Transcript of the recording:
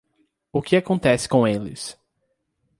O que acontece com eles?